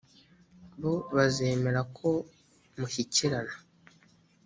bo bazemera ko mushyikirana